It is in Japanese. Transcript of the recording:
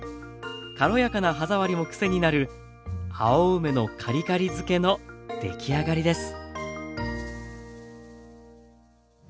軽やかな歯触りもクセになる青梅のカリカリ漬けのできあがりです。